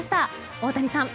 大谷さん